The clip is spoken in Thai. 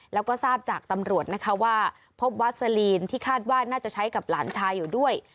แล้วก็ทราบจากตำรวจนะคะว่าพบวัสลีนที่คาดว่าน่าจะใช้กับหลานชายอยู่ด้วย